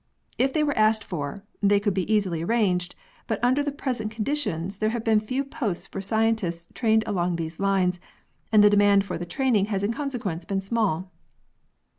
If they were asked for, they could easily be arranged, but under the present conditions there have been few posts for scientists trained along these lines and the demand for the training has in consequence been small.